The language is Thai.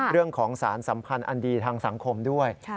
เรื่องของสารสัมพันธ์อันดีทางสังคมด้วย